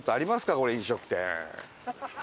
これ飲食店。